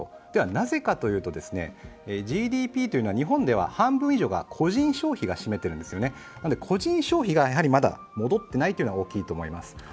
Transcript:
なぜかというと、ＧＤＰというのは日本では半分以上は個人消費が占めているので、個人消費がやはりまだ戻っていないというのが大きいと思います。